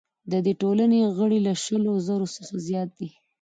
د دې ټولنې غړي له شلو زرو څخه زیات دي.